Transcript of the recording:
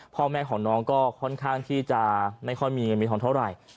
พ่อแม่ของน้องก็ค่อนข้างที่จะไม่ค่อยมีเงินมีทองเท่าไหร่